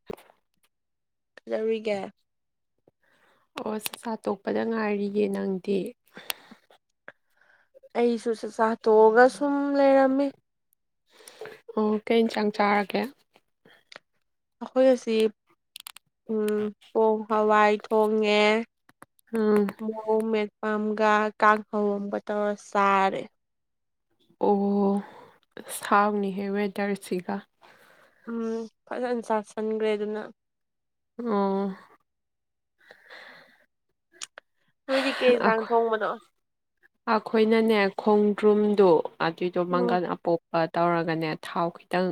[unintelligible] ꯀꯩꯗꯧꯔꯤꯒꯦ ꯑꯣ ꯆꯥꯛꯆꯥ ꯇꯣꯛꯄꯗ ꯉꯥꯏꯔꯤꯌꯦ ꯅꯪꯗꯤ ꯑꯩꯁꯨꯨ ꯆꯥꯛꯆꯥ ꯇꯣꯛꯑꯒ ꯁꯨ ꯑꯣ ꯀꯩꯌꯦꯟꯁꯥꯡ ꯆꯥꯔꯒꯦ ꯑꯈꯣꯏ ꯑꯁꯤ ꯎꯝ ꯄꯣꯡ ꯍꯋꯥꯏ ꯊꯣꯡꯉꯦ ꯎꯝ ꯃꯣꯔꯣꯡ ꯃꯦꯠꯄ ꯑꯝꯒ ꯀꯥꯡꯈꯧ ꯑꯃꯒ ꯇꯧꯔ ꯁꯥꯔꯦ ꯑꯣ ꯑꯁ ꯍꯥꯎꯅꯤꯍꯦ ꯋꯦꯗꯔ ꯁꯤꯒ ꯎꯝ ꯐꯖꯅ ꯁꯥꯁꯟꯈ꯭ꯔꯦ ꯑꯗꯨꯅ ꯑꯣ ꯅꯣꯏꯗꯤ ꯀꯩ ꯌꯦꯟꯖꯥꯡ ꯑꯩꯈꯣꯏ ꯊꯣꯡꯕꯅꯣ ꯑꯩꯈꯣꯏꯅꯅꯦ ꯈꯣꯡꯗ꯭ꯔꯨꯝꯗꯣ ꯑꯗꯨꯏꯗꯣ ꯎꯝ ꯃꯪꯒꯟ ꯑꯄꯣꯞ ꯄ ꯇꯧꯔꯒꯅꯦ ꯊꯥꯎ ꯈꯤꯇꯪ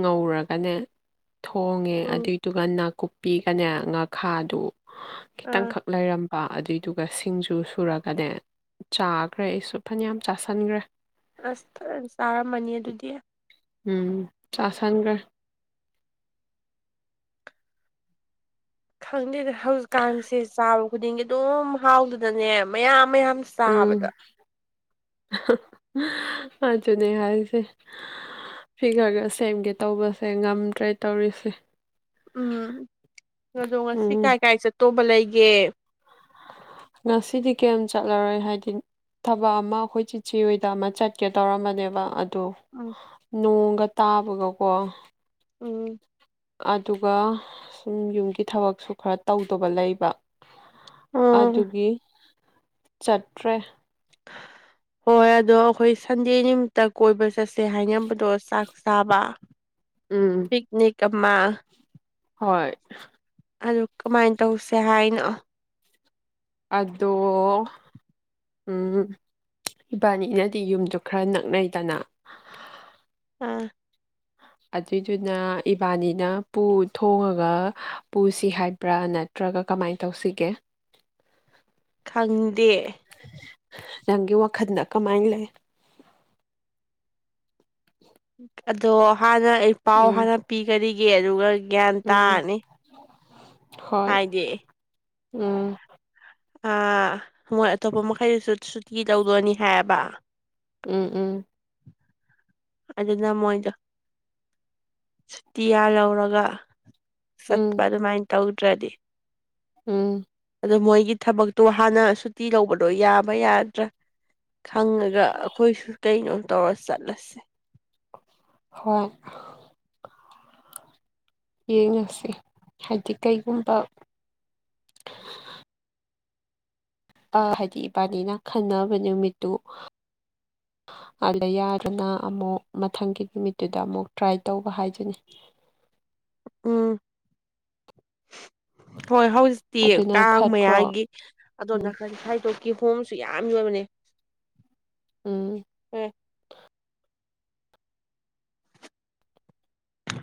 ꯉꯧꯔꯒꯅꯦ ꯊꯣꯡꯉꯦ ꯎꯝ ꯑꯗꯨꯏꯗꯨꯒ ꯅꯥꯀꯨꯞꯄꯤꯒꯅꯦ ꯉꯥꯈꯥꯗꯨ ꯑꯥ ꯈꯤꯇꯪꯈꯛ ꯂꯩꯔꯝꯕꯥ ꯑꯗꯨꯏ꯫ ꯑꯡꯗꯨꯒ ꯁꯤꯡꯖꯨ ꯁꯨꯔꯒꯅꯦ ꯆꯥꯈ꯭ꯔꯦ ꯑꯩꯁꯨ ꯐꯅꯌꯥꯝ ꯆꯥꯁꯟꯈ꯭ꯔꯦ꯫ ꯑꯁ ꯐꯖ ꯆꯥꯔꯝꯃꯅꯤ ꯑꯗꯨꯗꯤ꯫ ꯎꯝ ꯆꯥꯁꯟꯈ꯭ꯔꯦ꯫ ꯈꯪꯗꯦꯗ ꯍꯧꯖꯤꯛꯀꯥꯟꯁꯦ ꯆꯥꯕ ꯈꯨꯗꯤꯡꯒꯤ ꯑꯗꯨꯝ ꯍꯥꯎꯗꯅꯅꯦ ꯃꯌꯥꯝ ꯃꯌꯥꯝ ꯆꯥꯕꯗ ꯎꯝ ꯑꯗꯨꯅꯦ ꯍꯥꯏꯁꯦ꯫ ꯐꯤꯒꯔꯒ ꯁꯦꯝꯒꯦ ꯇꯧꯕꯁꯦ ꯉꯝꯗ꯭ꯔꯦ ꯇꯧꯔꯤꯁꯦ꯫ ꯎꯝ ꯑꯗꯣ ꯉꯁꯤ ꯎꯝ ꯀꯥꯏ ꯀꯥꯏ ꯆꯠꯇꯧꯕ ꯂꯩꯒꯦ꯫ ꯉꯁꯤꯗꯤ ꯀꯌꯥꯝ ꯆꯠꯂꯔꯣꯏ ꯍꯥꯏꯗꯤ ꯊꯕꯛ ꯑꯃ ꯑꯩꯈꯣꯏ ꯆꯤꯆꯦ ꯍꯣꯏꯗ ꯑꯃ ꯆꯠꯀꯦ ꯇꯧꯔꯝꯕꯅꯦꯕ ꯑꯗꯣ꯫ [unintelligible] ꯅꯣꯡꯒ ꯇꯥꯕꯒꯀꯣ꯫ ꯎꯝ꯫ ꯑꯗꯨꯒ ꯁꯨꯝ ꯌꯨꯝꯒꯤ ꯊꯕꯛꯁꯨ ꯈꯔ ꯇꯧꯗꯕ ꯂꯩꯕ꯫ ꯑꯣ ꯑꯗꯨꯒꯤ ꯆꯠꯇ꯭ꯔꯦ꯫ ꯍꯣꯏ ꯑꯗꯣ ꯑꯩꯈꯣꯏ ꯁꯟꯗꯦ ꯅꯨꯃꯤꯠꯇ ꯀꯣꯏꯕ ꯆꯠꯁꯦ ꯍꯥꯏꯅꯕꯗꯣ ꯆꯥꯛ ꯆꯥꯕ꯫ ꯎꯝ꯫ ꯄꯤꯛꯅꯤꯛ ꯑꯃ꯫ ꯍꯣꯏ꯫ ꯑꯗꯨ ꯀꯃꯥꯏꯅ ꯇꯧꯁꯦ ꯍꯥꯏꯅꯣ꯫ ꯑꯗꫭ ꯎꯝ ꯏꯕꯥꯅꯤꯅꯗꯤ ꯌꯨꯝꯗꯣ ꯈꯔ ꯅꯛꯅꯩꯗꯅ꯫ ꯑꯥ꯫ ꯑꯗꯨꯏꯗꯨꯅ ꯏꯕꯥꯅꯤꯅ ꯄꯨ ꯊꯣꯡꯉꯒ ꯄꯨꯁꯤ ꯍꯥꯏꯕ꯭ꯔꯥ ꯅꯠ ꯇ꯭ꯔꯒ ꯀꯃꯥꯏ ꯇꯧꯁꯤꯒꯦ꯫ ꯈꯪꯗꯦ꯫ ꯅꯪꯒꯤ ꯋꯥꯈꯟꯅ ꯀꯃꯥꯏꯅ ꯂꯩ꯫ [inaudible] ꯑꯗꯣ ꯍꯥꯟꯅ ꯑꯩ ꯄꯥꯎ ꯎꯝ ꯍꯥꯟꯅ ꯄꯤꯒꯔꯤꯒꯦ ꯑꯗꯨꯒ ꯒ꯭ꯌꯥꯟ ꯎꯝ ꯇꯥꯔꯅꯤ꯫ ꯍꯣꯏ ꯍꯥꯏꯗꯤ ꯎꯝ꯫ ꯑꯥ ꯃꯣꯏ ꯑꯇꯣꯞꯄ ꯃꯈꯩꯗꯨꯁꯨ ꯁꯨꯇꯤ ꯇꯧꯗꯣꯏꯅꯤ ꯍꯥꯏꯌꯦꯕ꯫ ꯎꯝ ꯎꯝ꯫ ꯑꯗꯨꯅ ꯃꯣꯏꯗꯣ ꯁꯨꯇꯤꯌꯥ ꯂꯧꯔꯒ ꯎꯝ ꯆꯠꯄ ꯑꯗꯨꯃꯥꯏꯅ ꯇꯧꯗ꯭ꯔꯗꯤ꯫ ꯎꯝ꯫ ꯑꯗꯣ ꯃꯣꯏꯒꯤ ꯊꯕꯛꯇꯣ ꯍꯥꯟꯅ ꯁꯨꯇꯤ ꯂꯧꯕꯗꯣ ꯌꯥꯕ ꯌꯥꯗ꯭ꯔ꯫ ꯈꯪꯉꯒ ꯑꯩꯈꯣꯏꯁꯨ ꯀꯩꯅꯣ ꯇꯧꯔ ꯆꯠꯂꯁꯦ꯫ ꯍꯣꯏ꯫ ꯌꯦꯡꯉꯁꯤ ꯍꯥꯏꯗꯤ ꯀꯩꯒꯨꯝꯕ ꯑꯥ ꯍꯥꯏꯗꯤ ꯏꯕꯥꯅꯤꯅ ꯈꯟꯅꯕ ꯅꯨꯃꯤꯠꯇꯨ ꯑꯗ ꯌꯥꯗꯨꯅ ꯑꯃꯨꯛ ꯃꯊꯪꯒꯤ ꯅꯨꯃꯤꯠꯇꯨꯗ ꯑꯃꯨꯛ ꯇ꯭ꯔꯥꯏ ꯇꯧꯕ ꯍꯥꯏꯖꯅꯤ꯫ ꯎꯝ꯫ ꯍꯣꯏ ꯍꯧꯖꯤꯛꯇꯤ ꯑꯗꯨꯅ ꯀꯥꯡ ꯐꯠꯇ꯭ꯔꯣ ꯃꯌꯥꯒꯤ ꯑꯗꯣꯟꯗ ꯈꯟ ꯍꯥꯏꯗꯣꯛ ꯀꯤꯍꯣꯝꯁꯨ ꯌꯥꯝ ꯌꯣꯟꯕꯅꯦ꯫ ꯎꯝ꯫ ꯑꯦ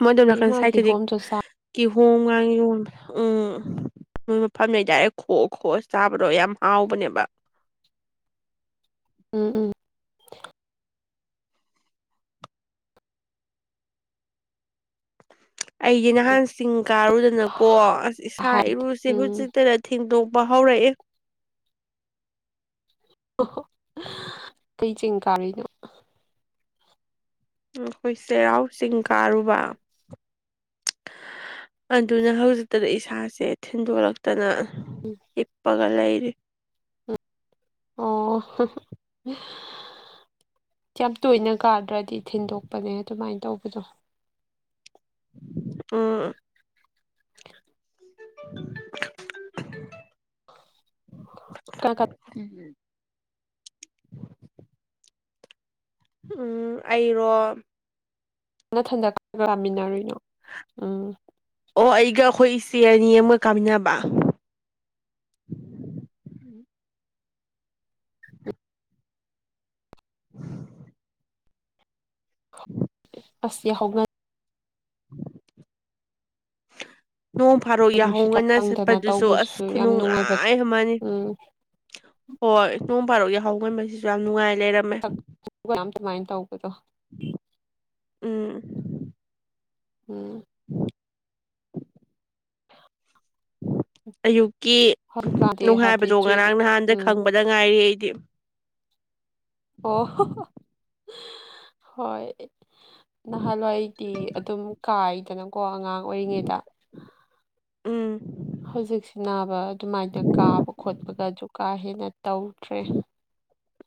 ꯃꯣꯏꯗꯣ ꯑꯩ ꯅꯥꯀꯟ ꯃꯥꯒꯤ ꯁꯥꯏꯠꯇꯗꯤ ꯍꯣꯝꯗꯣ ꯆꯥ ꯀꯤꯍꯣꯝꯒꯥꯡ ꯌꯣꯟꯕꯅꯦ ꯎꯝ ꯃꯣꯏ ꯃꯐꯝ ꯂꯩꯇꯥꯔꯦ ꯈꯣꯑ ꯈꯣꯑ ꯆꯥꯕꯗꯣ ꯌꯥꯝ ꯍꯥꯎꯕꯅꯦꯕ ꯎꯝ ꯎꯝ ꯑꯩꯗꯤ ꯅꯍꯥꯟ ꯆꯤꯡ ꯀꯥꯔꯨꯗꯅꯀꯣ ꯑꯁ ꯏꯁꯥ ꯏꯔꯨꯁꯦ ꯎꯝ ꯍꯧꯖꯤꯛꯇꯅ ꯊꯦꯡꯗꯣꯛꯄ ꯍꯧꯔꯛꯌꯦ ꯍ ꯍꯣ [unintelligible] ꯀꯩ ꯆꯤꯡ ꯀꯥꯔꯨꯢꯅꯣ ꯑꯩꯈꯣꯏ ꯆꯩꯔꯥꯎ ꯆꯤꯡ ꯀꯥꯔꯨꯕ ꯑꯗꯨꯅ ꯍꯧꯖꯤꯛꯇꯗ ꯏꯁꯥꯁꯦ ꯊꯤꯟꯗꯣꯔꯛꯇꯅ ꯍꯥꯞꯄꯒ ꯂꯩꯔꯤ ꯑꯣ ꯌꯥꯝ ꯇꯣꯏꯅ ꯀꯥꯗ꯭ꯔꯗꯤ ꯊꯤꯟꯗꯣꯛꯄꯅꯦ ꯑꯗꯨꯃꯥꯏꯅ ꯇꯧꯕꯗꯣ ꯑꯝ [inaudible] ꯀ ꯀ [unintelligible] [unintelligible] ꯎꯝ ꯑꯩꯔꯣ ꯅꯊꯟꯗ ꯈ [unintelligible] ꯂꯥꯃꯤꯟꯅꯔꯤꯅꯣ ꯎꯝ ꯑꯣ ꯑꯩꯒ ꯑꯩꯈꯣꯏ ꯏꯆꯦ ꯑꯅꯤ ꯑꯃꯒ ꯀꯥꯃꯤꯟꯅꯕ [inaudible] ꯑꯁ ꯌꯥꯍꯧ ꯉꯟ [inaudible] [inaudible] ꯅꯣꯡ ꯐꯥꯗꯣꯛ ꯅꯨꯡꯁꯤꯠꯀ ꯌꯥꯍꯧꯉꯟꯅ ꯐꯪꯗꯅ ꯆꯠꯄꯗꯨꯁꯨ ꯑꯁ ꯇꯧꯕꯗꯨꯁꯨ ꯌꯥꯝ ꯅꯨꯡꯉꯥꯏꯕ ꯈꯨꯅꯨꯡꯉꯥꯏ ꯑꯃꯅꯤ ꯎꯝ ꯍꯣꯏ ꯅꯣꯡ ꯐꯥꯗꯣꯛ ꯌꯥꯍꯧ ꯉꯟꯕꯁꯤꯁꯨ ꯌꯥꯝ ꯅꯨꯡꯉꯥꯏ ꯂꯩꯔꯝ ꯌꯥꯝ ꯁꯨꯃꯥꯏꯅ ꯇꯧꯕꯗꯣ ꯎꯝ ꯎꯝ [inaudible] ꯑꯌꯨꯛꯀꯤ ꯍꯧꯖꯤꯛꯀꯥꯟꯗꯤ ꯍꯥꯏꯕꯗꯤ ꯅꯨꯡꯉꯥꯏꯕꯗꯣ ꯆꯤꯛ ꯉꯔꯥꯡ ꯅꯍꯥꯟꯗ ꯎꯝ ꯈꯪꯕꯗ ꯉꯥꯏꯔꯤ ꯑꯩꯗꯤ ꯑꯣ ꯍꯣꯏ ꯅꯍꯥꯟꯋꯥꯏꯗꯤ ꯑꯗꯨꯝ ꯀꯥꯏꯗꯅꯀꯣ ꯑꯉꯥꯡ ꯑꯣꯏꯔꯤꯉꯩꯗ ꯎꯝ ꯍꯧꯖꯤꯛꯁꯤ ꯅꯥꯕ ꯑꯗꯨꯃꯥꯏꯅ ꯀꯥꯕ ꯈꯣꯠꯄꯒꯁꯨ ꯀꯥ ꯍꯦꯟꯅ ꯇꯧꯗ꯭ꯔꯦ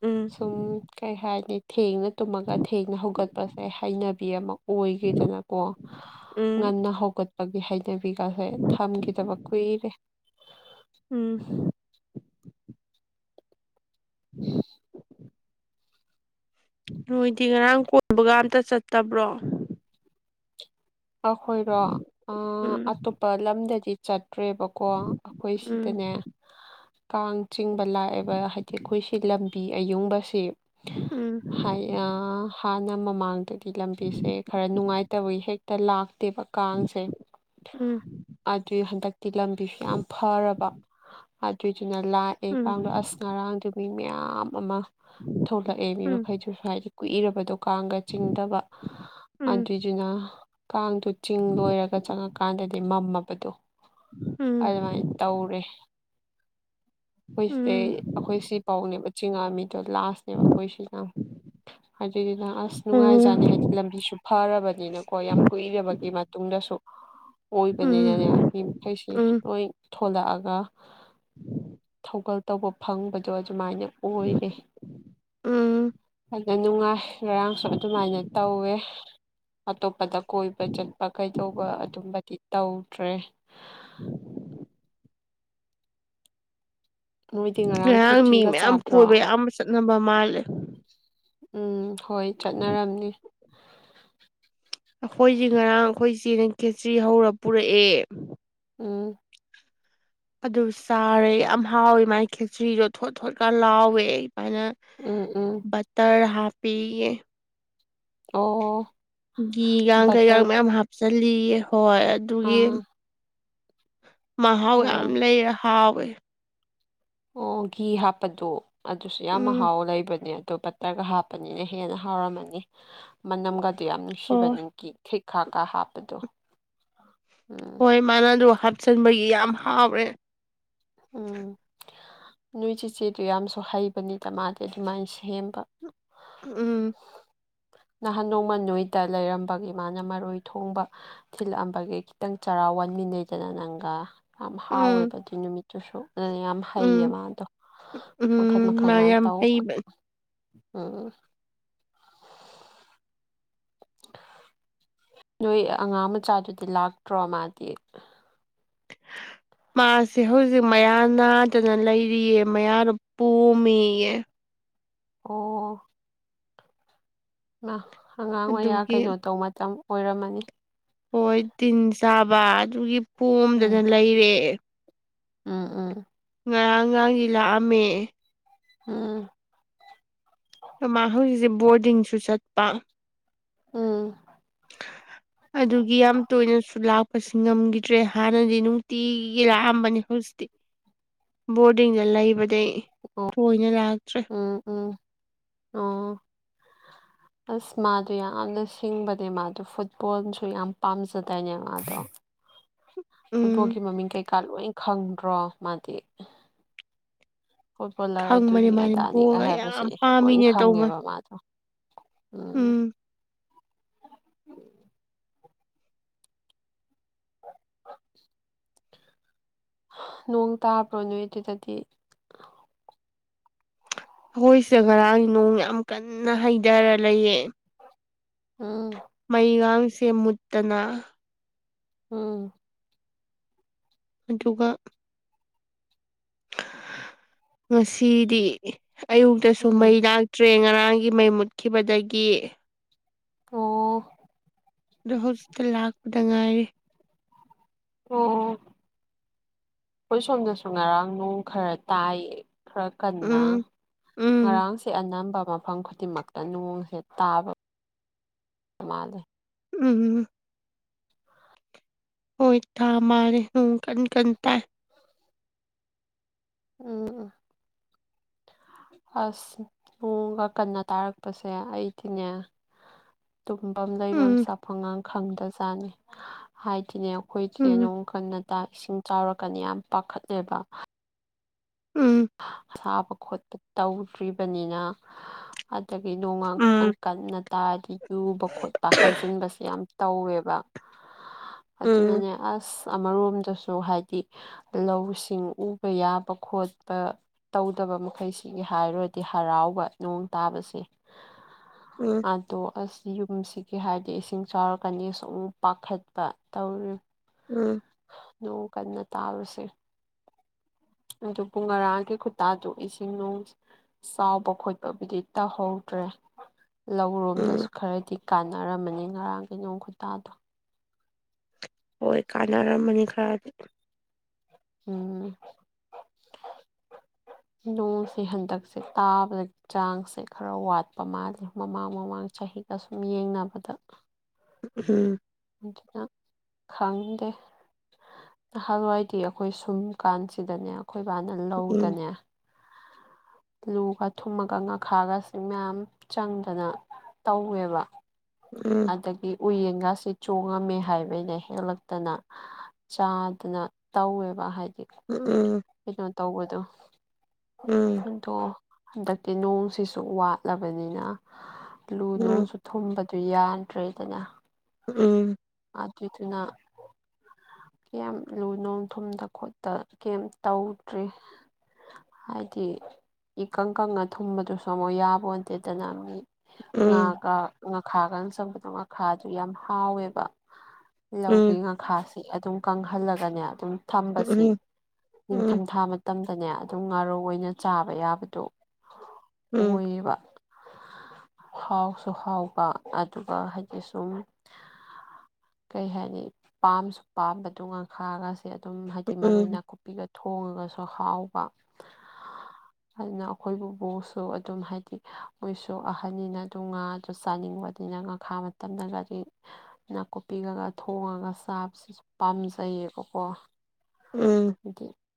ꯎꯝ ꯁꯨꯝ ꯀꯩ ꯍꯥꯏꯅꯤ ꯊꯦꯡꯅ ꯇꯨꯝꯃꯒ ꯊꯦꯡꯅ ꯍꯧꯒꯠꯄꯁꯦ ꯍꯩꯅꯕꯤ ꯑꯃ ꯑꯣꯏꯈꯤꯗꯅꯀꯣ ꯎꯝ ꯉꯟꯅ ꯍꯧꯒꯠꯄꯒꯤ ꯍꯩꯅꯕꯤꯒꯥꯁꯦ ꯊꯝꯈꯤꯗꯕ ꯀꯨꯏꯔꯦ ꯎꯝ [inaudible] ꯅꯣꯏꯗꯤ ꯉꯔꯥꯡ ꯀꯣꯏꯕꯒ ꯑꯝꯇ ꯆꯠꯇꯕ꯭ꯔꯣ ꯑꯩꯈꯣꯏꯔꯣ ꯑꯥ ꯎꯝ ꯑꯇꯣꯞꯄ ꯂꯝꯗꯗꯤ ꯆꯠꯇ꯭ꯔꯦꯕ ꯀꯣ ꯑꯩꯈꯣꯏ ꯎꯝ ꯁꯤꯗꯅꯦ ꯀꯥꯡ ꯆꯤꯡꯕ ꯂꯥꯛꯑꯦꯕ ꯍꯥꯏꯗꯤ ꯑꯩꯈꯣꯏꯁꯤ ꯂꯝꯕꯤ ꯑꯌꯨꯡꯕꯁꯦ ꯎꯝ ꯍꯥꯟꯅ ꯃꯃꯥꯡꯗꯗꯤ ꯂꯝꯕꯤꯁꯦ ꯈꯔ ꯅꯨꯡꯉꯥꯏꯇꯕꯩ ꯍꯦꯛ ꯇ ꯂꯥꯛꯇꯦꯕ ꯀꯥꯡꯁꯦ ꯎꯝ ꯑꯗꯨꯏ ꯍꯟꯗꯛ ꯂꯝꯕꯤꯁꯨ ꯌꯥꯝ ꯐꯔꯕ ꯑꯗꯨꯏꯗꯨꯅ ꯂꯥꯛꯑꯦ ꯎꯝ ꯀꯥꯡꯗꯣ ꯑꯁ ꯉꯔꯥꯡꯗꯨ ꯃꯤ ꯃꯌꯥꯝ ꯑꯃ ꯊꯣꯛꯂꯛꯑꯦ ꯃꯤ ꯎꯝ ꯃꯈꯩꯗꯨꯁꯨ ꯍꯥꯏꯗꯤ ꯀꯨꯏꯔꯕꯗꯣ ꯀꯥꯡꯒ ꯆꯤꯡꯗꯕ ꯎꯝ ꯑꯗꯨꯏꯗꯨꯅ ꯀꯥꯡꯗꯨ ꯆꯤꯡ ꯂꯣꯏꯔꯒ ꯆꯪꯉꯀꯥꯟꯗꯗꯤ ꯃꯝꯃꯕꯗꯣ ꯎꯝ ꯑꯗꯨꯃꯥꯏꯅ ꯇꯧꯔꯦ ꯑꯩꯈꯣꯏꯁꯦ ꯎꯝ ꯑꯩꯈꯣꯏ ꯁꯤꯐꯥꯎꯅꯦꯕ ꯆꯤꯡꯉꯛꯑꯝꯃꯤꯗꯣ ꯂꯥꯁ ꯕ ꯑꯩꯈꯣꯏ ꯁꯤꯗ ꯑꯗꯨꯗꯨꯅ ꯑꯁ ꯑꯣ ꯅꯨꯡꯉꯥꯏꯖꯥꯅꯤ ꯍꯥꯏ ꯂꯝꯕꯤꯁꯨ ꯐꯔꯕꯅꯤꯅꯀꯣ ꯌꯥꯝ ꯀꯨꯏꯔꯕꯒꯤ ꯃꯇꯨꯡꯗꯁꯨ ꯎꯝ ꯑꯣꯏꯕꯅꯤꯅꯅꯦ ꯃꯤ ꯃꯈꯩꯁꯤ ꯎꯝ ꯂꯣꯏ ꯊꯣꯂꯛꯑꯒ [inaudible] ꯊꯧꯒꯜ ꯇꯧꯕ ꯐꯪꯕꯗꯣ ꯑꯗꯨꯃꯥꯏꯅ ꯑꯣꯏꯔꯦ ꯎꯝ ꯌꯥꯝ ꯅꯨꯡꯉꯥꯏ ꯉꯔꯥꯡꯁꯨ ꯑꯗꯨꯃꯥꯏꯅ ꯇꯧꯋꯦ ꯑꯇꯣꯞꯄꯗ ꯀꯣꯏꯕ ꯆꯠꯄ ꯀꯩꯗꯧꯕ ꯑꯗꯨꯝꯕꯗꯤ ꯇꯧꯗ꯭ꯔꯦ [inaudible] ꯅꯣꯏꯗꯤ ꯉꯔꯥꯡ ꯃꯤ ꯈꯦꯆꯤꯒ ꯃꯌꯥꯝ ꯆꯥꯗ꯭ꯔꯣ ꯀꯣꯏꯕ ꯑꯌꯥꯝꯕ ꯆꯠꯅꯕ ꯃꯥꯜꯂꯦ ꯎꯝ ꯍꯣꯏ ꯆꯠꯅꯔꯝꯅꯤ ꯑꯩꯈꯣꯏꯖꯤ ꯉꯔꯥꯡ ꯑꯩꯈꯣꯏ ꯆꯦꯅꯥ ꯈꯦꯆ꯭ꯔꯤ ꯍꯧꯔ ꯄꯨꯔꯛꯑꯦ ꯎꯝ ꯑꯗꯨ ꯆꯥꯔꯦ ꯌꯥꯝ ꯍꯥꯎꯋꯦ ꯃꯥꯥꯏ ꯈꯦꯛꯆ꯭ꯔꯤꯗꯣ ꯊꯣꯠ ꯊꯣꯠꯀ ꯂꯥꯎꯋꯦ ꯑꯗꯨꯃꯥꯏꯅ ꯎꯝ ꯎꯝ ꯕꯇꯔ ꯍꯥꯞꯄꯤꯌꯦ ꯑꯣ ꯒꯤꯘꯤꯒꯥꯡ ꯀꯩꯒ ꯕꯇꯔ ꯃꯌꯥꯝ ꯍꯥꯞꯆꯜꯂꯤꯌꯦ ꯍꯣꯏ ꯑꯗꯨꯒꯤ ꯑꯥ ꯃꯍꯥꯎ ꯌꯥꯝ ꯑꯣ ꯂꯩꯔ ꯍꯥꯎꯋꯦ ꯑꯣ ꯘꯤ ꯍꯥꯞꯄꯗꯣ ꯑꯗꯨꯁꯨ ꯌꯥꯝ ꯎꯝ ꯃꯍꯥꯎ ꯂꯩꯕꯅꯦ ꯑꯗꯨꯣ ꯍꯇꯔꯒ ꯍꯥꯞꯄꯅꯤꯅ ꯍꯦꯟꯅ ꯍꯥꯎꯔꯝꯃꯅꯤ ꯃꯅꯝꯒꯗꯨ ꯌꯥꯝ ꯅꯨꯡꯁꯤꯕ ꯍꯣꯏ ꯅꯤꯡ ꯀꯤ ꯊꯤꯛ ꯈꯥꯀꯥ ꯍꯥꯄꯖꯣ ꯎꯝ ꯍꯣꯏ ꯃꯥꯅ ꯑꯗꯨ ꯍꯥꯞꯆꯤꯟꯕꯒꯤ ꯌꯥꯝ ꯍꯥꯎꯔꯦ ꯎꯝ ꯅꯣꯏ ꯆꯤꯆꯦꯗꯨ ꯌꯥꯝꯁꯨ ꯍꯩꯕꯅꯤꯗ ꯃꯥꯗꯤ ꯑꯗꯨꯃꯥꯏꯅ ꯁꯦꯝꯕ ꯎꯝ ꯅꯍꯥꯟ ꯅꯣꯡꯃ ꯅꯣꯏꯗ ꯂꯩꯔꯝꯕꯒꯤ ꯃꯥꯅ ꯃꯔꯣꯏ ꯊꯣꯡꯕ ꯊꯤꯜꯂꯛꯑꯝꯕꯒ ꯈꯤꯇꯪ ꯆꯔꯥꯎ ꯋꯥꯟꯃꯤꯟꯅꯩꯗꯅ ꯅꯪꯒ ꯌꯥꯝ ꯎꯝ ꯍꯥꯎꯋꯦꯕ ꯑꯗꯨꯏ ꯅꯨꯃꯤꯠꯇꯨꯁꯨ ꯑꯗꯨꯅ ꯌꯥꯝ ꯍꯩꯌꯦ ꯎꯝ ꯃꯥ ꯑꯗꯣ ꯃꯈꯜ ꯎꯝ ꯃꯥ ꯃꯈꯜꯒ ꯌꯥꯝ ꯇꯧꯕ ꯍꯩꯕꯅꯦ ꯎꯝ ꯅꯣꯏ ꯑꯉꯥꯡ ꯃꯆꯥꯗꯨꯗꯤ ꯂꯥꯛꯇ꯭ꯔꯣ ꯃꯥꯗꯤ ꯃꯥꯁꯦ ꯍꯧꯖꯤꯛ ꯃꯌꯥ ꯅꯥꯗꯅ ꯂꯩꯔꯤꯑ ꯃꯌꯥꯗꯣ ꯄꯣꯝꯃꯦꯌꯦ ꯑꯣ ꯑꯉꯥꯡ ꯃꯌꯥ ꯑꯗꯨꯒꯤ ꯀꯩꯅꯣ ꯇꯧꯕ ꯃꯇꯝ ꯑꯣꯏꯔꯝꯃꯅꯤ ꯍꯣꯏ ꯇꯤꯟ ꯆꯥꯕ ꯑꯗꯨꯒꯤ ꯄꯣꯝꯗꯅ ꯂꯩꯔꯦ ꯎꯝ ꯎꯝ ꯉꯔꯥꯡ ꯉꯥꯡꯁꯤ ꯂꯥꯛꯑꯝꯃꯦ ꯎꯝ ꯃꯥ ꯍꯧꯖꯤꯛꯁꯦ ꯕꯣꯔꯗꯤꯡꯁꯨ ꯆꯠꯄ ꯎꯝ ꯑꯗꯨꯒꯤ ꯌꯥꯝ ꯇꯣꯏꯅꯁꯨ ꯂꯥꯞ ꯑꯁ ꯉꯝꯈꯤꯗ꯭ꯔꯦ ꯍꯥꯟꯅꯗꯤ ꯅꯨꯡꯇꯤꯒꯤ ꯂꯥꯛꯑꯝꯕꯅꯤ ꯍꯧꯖꯤꯠꯇꯤ ꯕꯣꯔꯗꯤꯡꯗ ꯂꯩꯕꯗꯩ ꯑꯣ ꯇꯣꯏꯅ ꯂꯥꯛꯇ꯭ꯔꯦ ꯎꯝ ꯎꯝ ꯑꯣ ꯑꯁ ꯃꯥꯗꯣ ꯌꯥꯝꯅ ꯁꯤꯡꯕꯅꯦ ꯃꯥꯗꯣ ꯐꯨꯠꯕꯣꯜꯁꯨ ꯌꯥꯝ ꯄꯥꯝꯖꯗꯏꯅꯦ ꯃꯥꯗꯣ ꯎꯝ ꯐꯨꯠꯕꯣꯜꯒꯤ ꯃꯃꯤꯡ ꯀꯩꯀꯥ ꯂꯣꯏ ꯈꯪꯗ꯭ꯔꯣ ꯃꯥꯗꯤ ꯐꯨꯠꯕꯣꯂꯔ ꯈꯪꯕꯅꯦ ꯑꯗꯨꯅꯤ ꯃꯥꯅꯦ ꯑꯗꯥꯅꯤꯒ ꯕꯣꯜꯒ ꯍꯥꯏꯕꯁꯦ ꯌꯥꯝ ꯂꯣꯏ ꯄꯥꯝꯃꯤꯅꯦ ꯇꯧꯕꯅꯦ ꯈꯪꯉꯦꯕ ꯃꯥꯗꯣ ꯎꯝ [unintelligible] ꯅꯣꯡ ꯇꯥꯕ꯭ꯔꯣ ꯅꯣꯏ ꯑꯗꯨꯗꯗꯤ ꯑꯩꯈꯣꯏꯁꯗ ꯔꯥꯡ ꯅꯣꯡ ꯌꯥꯝ ꯀꯟꯅ ꯍꯩꯗꯔ ꯂꯩꯌꯦ ꯎꯝ ꯃꯩꯒꯥꯡꯁꯦ ꯃꯨꯠꯇꯅ ꯎꯝ ꯑꯗꯨꯒ ꯉꯁꯤꯗꯤ ꯑꯌꯨꯛꯇꯁꯨ ꯎꯝ ꯃꯩ ꯂꯥꯛ ꯇ꯭ꯔꯦ ꯉꯔꯥꯡꯒꯤ ꯃꯩ ꯃꯨꯠꯈꯤꯕꯗꯒꯤ ꯑꯣ.. ꯑꯗꯣ ꯍꯧꯖꯤꯛꯇ ꯂꯥꯛꯄꯗ ꯉꯥꯏꯔꯤ ꯑꯣ ꯑꯩꯈꯣꯏ ꯁꯣꯝꯗꯁꯨ ꯉꯔꯥꯡ ꯅꯣꯡ ꯈꯔ ꯇꯥꯏꯌꯦ ꯈꯔ ꯀꯟꯅ ꯎꯝ ꯎꯝ ꯉꯔꯥꯡꯁꯦ ꯑꯅꯝꯕ ꯃ ꯐꯝ ꯈꯨꯗꯤꯡꯃꯛꯇ ꯅꯣꯡꯁꯦ ꯇꯥꯕ ꯃꯥꯜꯂꯦ ꯎꯝ ꯎꯝ ꯎꯝ ꯍꯣꯏ ꯊ ꯃꯥꯔꯦ ꯎꯝ ꯀꯟ ꯀꯟꯇ ꯎꯝ ꯎꯝ ꯑꯁ ꯅꯣꯡꯒ ꯀꯟꯅ ꯇꯥꯔꯛꯄꯁꯦ ꯑꯩꯗꯤꯅꯦ ꯇꯨꯝꯐꯝ ꯂꯩꯐꯝ ꯎꯝ ꯆꯥꯐꯝꯒꯥꯡ ꯈꯪꯗꯖꯥꯠꯅꯤ ꯍꯥꯏꯗꯤꯅꯦ ꯑꯩꯈꯣꯏꯗꯤ ꯎꯝ ꯅꯣꯡ ꯀꯟꯅꯇꯥ ꯏꯁꯤꯡ ꯆꯥꯎꯔꯛꯀꯅꯤ ꯌꯥꯝ ꯄꯥꯈꯠꯂꯦꯕ ꯎꯝ ꯁꯥꯕ ꯈꯣꯠꯄ ꯇꯧꯗ꯭ꯔꯤꯕꯅꯤꯅ ꯑꯗꯒꯤ ꯅꯣꯡꯒ ꯎꯝ ꯈꯤꯇꯪ ꯀꯟꯅ ꯇꯥꯔꯗꯤ ꯌꯨꯕ ꯈꯣꯠꯄ ꯍꯥꯏꯖꯤꯟꯕꯁꯦ ꯌꯥꯝ ꯇꯧꯋꯦꯕ ꯎꯝ ꯑꯗꯨꯅꯅꯦ ꯑꯁ ꯑꯃꯔꯣꯝꯗꯁꯨ ꯍꯥꯏꯗꯤ ꯂꯧꯁꯤꯡ ꯎꯕ ꯌꯥꯕ ꯈꯣꯠꯄ ꯄ ꯇꯧꯗꯕ ꯃꯈꯩꯁꯤꯒꯤ ꯍꯥꯏꯔꯨꯔꯗꯤ ꯍꯔꯥꯎꯕ ꯅꯣꯡ ꯇꯥꯕꯁꯦ ꯎꯝ ꯑꯗꯣ ꯑꯁ ꯌꯨꯝꯁꯤꯒꯤ ꯍꯥꯏꯔꯗꯤ ꯏꯁꯤꯡ ꯆꯥꯎꯔꯛꯀꯅꯤ ꯁꯨꯝ ꯄꯥꯈꯠꯄ ꯇꯧꯔꯤ ꯎꯝ ꯅꯣꯡ ꯀꯅ ꯇꯥꯔꯁꯦ ꯑꯗꯨ ꯄꯨꯡ ꯉꯔꯥꯒꯤ ꯈꯨꯇꯥꯗꯨꯣ ꯏꯁꯤꯡ ꯅꯨꯡ ꯆꯥꯎꯕ ꯈꯣꯠꯄꯕꯨꯗꯤ ꯇꯧꯍꯧꯗ꯭ꯔꯦ ꯂꯧꯔꯣꯝꯗꯁꯨ ꯎꯝ ꯈꯔꯗꯤ ꯀꯥꯟꯅꯔꯝꯃꯅꯤ ꯉꯔꯥꯡꯒꯤ ꯅꯣꯡ ꯈꯨꯇꯥꯗꯣ ꯍꯣꯏ ꯀꯥꯟꯅꯔꯝꯃꯅꯤ ꯈꯔꯗꯤ ꯎꯝ ꯅꯣꯡꯁꯦ ꯍꯟꯗꯛꯁꯦ ꯇꯥꯕꯗ ꯆꯥꯡꯁꯦ ꯈꯔ ꯋꯥꯠꯄ ꯃꯥꯜꯂꯤ ꯃꯃꯥꯡ ꯃꯃꯥꯡ ꯆꯍꯤꯒ ꯁꯨꯝ ꯌꯦꯡꯅꯕꯗ ꯎꯝ [unintelligible] ꯈꯪꯗꯦ ꯅꯍꯥꯟꯜꯋꯥꯏꯗꯤ ꯑꯩꯈꯣꯏ ꯁꯨꯝ ꯀꯥꯟꯁꯤꯗꯅꯦ ꯑꯩꯈꯣꯏꯕꯥꯅ ꯎꯝ ꯂꯧꯗꯅꯦ ꯑꯂꯨꯒ ꯊꯨꯝꯃꯒ ꯉꯥꯈꯥꯒꯁꯤꯡ ꯃꯌꯥꯝ ꯆꯪꯗꯅ ꯇꯧꯋꯦꯕ ꯎꯝ ꯑꯗꯒꯤ ꯎꯌꯦꯟ ꯉ ꯁꯤ ꯆꯣꯡꯉꯝꯃꯦ ꯍꯥꯏꯕꯩꯅ ꯍꯦꯜꯂꯛꯇꯅ ꯆꯥꯗꯅ ꯇꯧꯋꯦꯕ ꯍꯥꯏꯗꯤ ꯎꯝ ꯎꯝ ꯀꯩꯅꯣ ꯇꯧꯕꯗꯣ ꯎꯝ ꯑꯗꯣ ꯍꯟꯗꯛꯇꯤ ꯅꯣꯡꯁꯤꯁꯨ ꯋꯥꯠꯂꯕꯅꯤꯅ ꯂꯨ ꯎꯝ ꯅꯨꯡꯁꯨ ꯊꯨꯝꯕꯗꯨ ꯌꯥꯗ꯭ꯔꯦꯗꯅ ꯎꯝ ꯑꯗꯨꯗꯨꯅ ꯀꯌꯥꯝ ꯂꯨ ꯅꯨꯡ ꯊꯨꯝꯗ ꯈꯣꯠꯇ ꯀꯩꯝ ꯇꯧꯗ꯭ꯔꯤ ꯍꯥꯏꯗꯤ ꯏꯀꯪ ꯀꯪꯅ ꯊꯨꯝꯕꯗꯨꯁꯨ ꯑꯃꯨꯛ ꯌꯥꯕ ꯑꯣꯟꯗꯦꯗꯅ ꯃꯤ ꯎꯝ ꯉꯥꯒ ꯉꯥꯈꯥꯒ ꯆꯪꯕꯗꯣ ꯉꯥꯈꯥꯗꯨ ꯌꯥꯝ ꯍꯥꯎꯋꯦꯕ ꯂꯧꯒꯤ ꯎꯝ ꯉꯈꯥꯁ ꯑꯗꯨꯝ ꯀꯪꯍꯜꯂꯒꯅꯦ ꯑꯗꯨꯝ ꯎꯝ ꯊꯝꯕꯁꯤ ꯅꯤꯡꯊꯝꯊꯥ ꯃꯇꯝꯗꯅꯦ ꯑꯗꯨꯝ ꯉꯥꯔꯧ ꯑꯣꯏꯅ ꯆꯥꯕ ꯌꯥꯕꯗꯣ ꯎꯝ ꯑꯣꯏꯕ ꯍꯥꯎꯁꯨ ꯍꯥꯎꯕ ꯑꯗꯨꯒ ꯍꯥꯏꯗꯤ ꯁꯨꯝ ꯀꯩ ꯍꯥꯏꯅꯤ ꯄꯥꯝꯁꯨ ꯄꯥꯝꯕꯗꯨ ꯉꯈꯥꯒꯁꯦ ꯑꯗꯨꯝ ꯍꯥꯏꯗꯤ ꯃꯔꯣꯏ ꯎꯝ ꯅꯥꯀꯨꯞ ꯄꯤꯒ ꯊꯣꯡꯉꯒꯁꯨ ꯍꯥꯎꯕ ꯑꯗꯨꯅ ꯑꯩꯈꯣꯏꯕꯨꯕꯨꯁꯨ ꯑꯗꯨꯝ ꯍꯥꯏꯗꯤ ꯃꯣꯏꯁꯨ ꯑꯍꯟꯅꯤꯅ ꯑꯗꯨ ꯉꯥ ꯑꯗꯨ ꯆꯥꯅꯤꯡꯕ ꯑꯗꯨꯅ ꯉꯈꯥ ꯃꯇꯝꯗ ꯒꯥꯔꯤ ꯀꯣꯄꯤꯒꯒ ꯊꯣꯡꯉꯒ ꯆꯥꯕꯁꯤꯁꯨ ꯄꯥꯝꯖꯩꯌꯦꯕꯀꯣ ꯎꯝ ꯍꯥꯏꯗꯤ